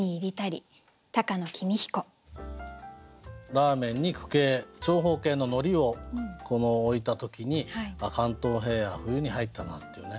ラーメンに矩形長方形の海苔を置いた時に「関東平野は冬に入ったな」っていうね